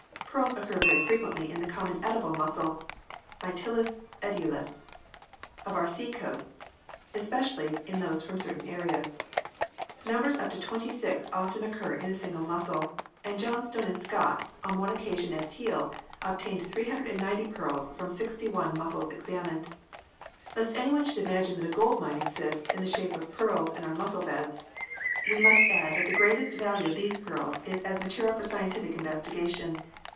Pearls occur very frequently in the common edible mussel (Mytilus edulis) of our sea coasts, and especially in those from certain areas. Numbers up to twenty six often occur in a single mussel, and Johnstone and Scott, on one occasion at Piel, obtained 390 pearls from sixty one mussels examined. Lest anyone should imagine that a gold mine exists in the shape of pearls in our mussel beds, we must add that the greatest 16 PEARLS [CH. value of these pearls is as material for scientific in vestigation.